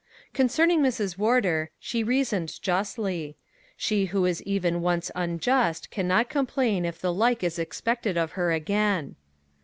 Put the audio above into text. Concerning Mrs. Wardour, she reasoned justly: she who is even once unjust can not complain if the like is expected of her again.